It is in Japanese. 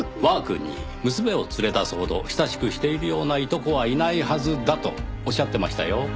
わーくんに娘を連れ出すほど親しくしているようないとこはいないはずだとおっしゃってましたよ。